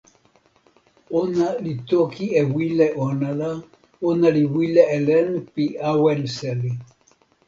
ona li toki e wile ona la, ona li wile e len pi awen seli.